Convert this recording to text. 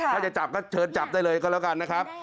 ถ้าจะจับก็เชิญจับได้เลยก็แล้วกันนะครับ